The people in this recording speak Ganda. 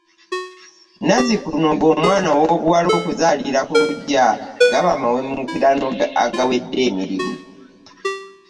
Nazzikuno ng'omwana ow'obuwala okuzaalira ku luggya gaba mawemukirano agawedde emirimu.